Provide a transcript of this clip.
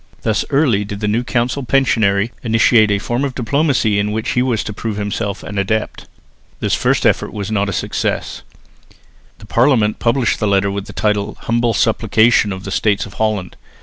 Thus early did the new council pensionary initiate a form of diplomacy in which he was to prove himself an adept. This first effort was not a success. The Parliament published the letter with the title "Humble Supplication of the States of Holland."